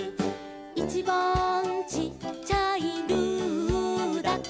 「いちばんちっちゃい」「ルーだから」